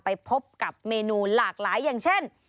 ไปพบกับเมนูหลากหลายอย่างเช่น